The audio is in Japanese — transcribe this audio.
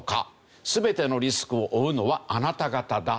「全てのリスクを負うのはあなた方だ」